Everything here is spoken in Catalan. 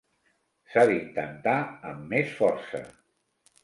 S'ha d'intentar amb més força.